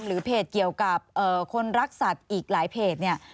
หรือเพจเกี่ยวกับคนรักสัตว์อีกหลายเพจเนี่ย